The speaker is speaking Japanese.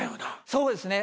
そうですね。